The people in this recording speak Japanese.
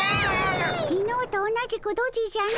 きのうと同じくドジじゃの。